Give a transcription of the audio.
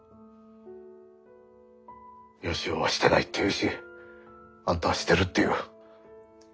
義雄はしてないって言うしあんたはしてるって言う。